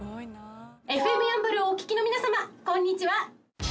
ＦＭやんばるをお聴きの皆様こんにちは。